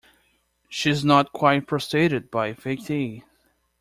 She is not quite prostrated by fatigue?